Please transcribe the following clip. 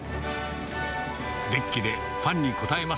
デッキでファンに応えます。